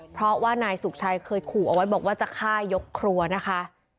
เพราะว่านายสุขชัยเคยขู่เอาไว้บอกว่าจะฆ่ายกครัวนะคะ